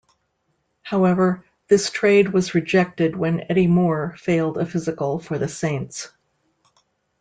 However, this trade was rejected when Eddie Moore failed a physical for the Saints.